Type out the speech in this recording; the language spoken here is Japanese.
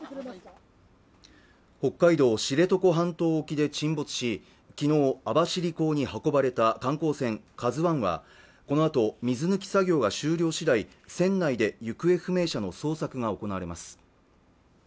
北海道知床半島沖で沈没し昨日網走港に運ばれた観光船「ＫＡＺＵ１」はこのあと水抜き作業が終了しだい船内で行方不明者の捜索が行われます